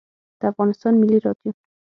د افغانستان ملی رادیو